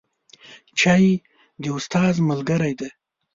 چای د استاد ملګری دی